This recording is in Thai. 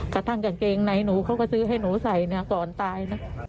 กระตั้งอังกฎงในน้ำหนูเขาก็ซื้อให้หนูใส่ก่อนตาย